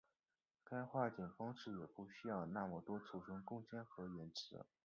该简化方法也不需要那么多存储空间和延迟。